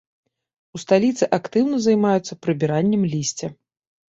У сталіцы актыўна займаюцца прыбіраннем лісця.